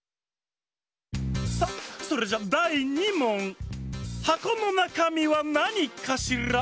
さあそれじゃだい２もん！はこのなかみはなにかしら？